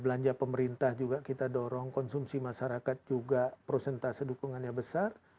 belanja pemerintah juga kita dorong konsumsi masyarakat juga prosentase dukungannya besar